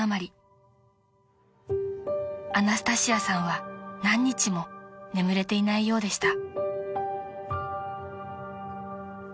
［アナスタシアさんは何日も眠れていないようでした］